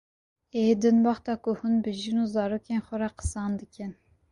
Ê din wexta ku hûn bi jin û zarokên xwe re qisan dikin